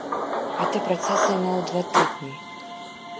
Гэты працэс займаў два тыдні.